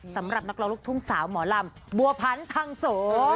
สำหรับนักร้องลูกทุ่งสาวหมอลำบัวพันธังโส